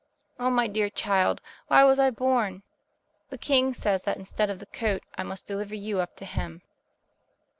"Oh, my dear child, why was I born? The king says that, instead of the coat, I must deliver you up to him."